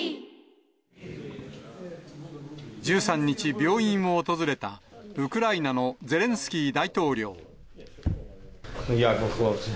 １３日、病院を訪れたウクライナのゼレンスキー大統領。